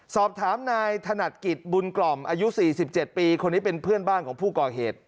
สอบถามนายถนัดกิจบุญกล่อมอายุ๔๗ปีคนนี้เป็นเพื่อนบ้านของผู้ก่อเหตุ